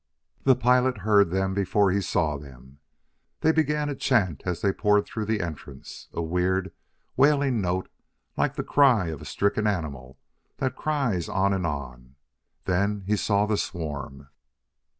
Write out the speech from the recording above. The pilot heard them before he saw them. They began a chant as they poured through the entrance, a weird, wailing note like the cry of a stricken animal that cries on and on. Then he saw the swarm.